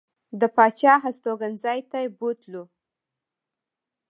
د پاچا هستوګنځي ته بوتلو.